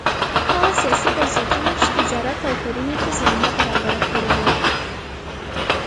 هغه سیاسي بنسټونه چې تجارت او کرنې ته زمینه برابره کړې وه